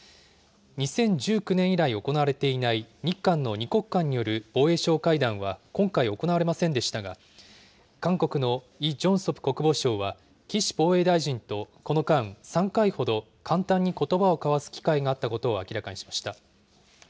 ２０１９年以来行われていない日韓の２国間による防衛相会談は今回行われませんでしたが、韓国のイ・ジョンソプ国防相は岸防衛大臣とこの間、３回ほど簡単にことばを交わす機会があったことを明らかにしました。